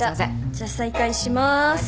じゃ再開しまーす。